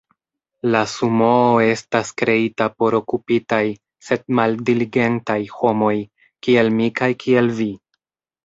La Sumoo estas kreita por okupitaj, sed maldiligentaj homoj, kiel mi kaj kiel vi.